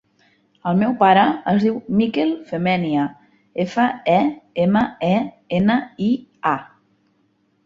El meu pare es diu Mikel Femenia: efa, e, ema, e, ena, i, a.